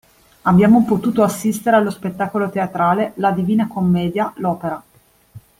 Abbiamo potuto assistere allo spettacolo teatrale “La Divina Commedia – L’opera”.